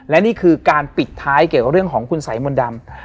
และนี่คือการปิดท้ายเกี่ยวกับเรื่องของคุณสัยมนต์ดำ